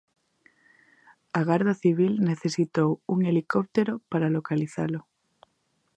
A Garda Civil necesitou un helicóptero para localizalo.